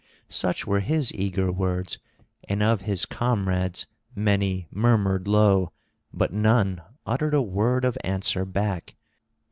Such were his eager words; and of his comrades many murmured low, but none uttered a word of answer back.